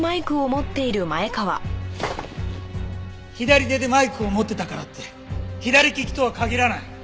左手でマイクを持ってたからって左利きとは限らない。